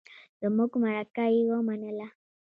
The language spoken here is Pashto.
زمونږ مرکه يې ومنله.